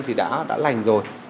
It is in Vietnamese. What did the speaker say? thì đã lành rồi